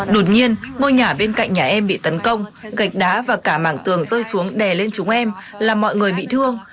đột nhiên ngôi nhà bên cạnh nhà em bị tấn công gạch đá và cả mảng tường rơi xuống đè lên chúng em làm mọi người bị thương